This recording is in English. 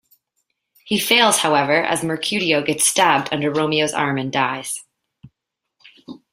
He fails, however, as Mercutio gets stabbed under Romeo's arm and dies.